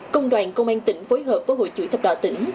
công đoàn công an tỉnh phối hợp với hội chủ thập đạo tỉnh